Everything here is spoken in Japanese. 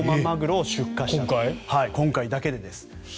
今回だけです。